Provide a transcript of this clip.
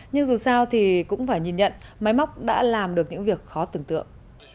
nhưng dù sao thì cũng phải nhìn nhận máy móc đã làm được những việc khó tưởng tượng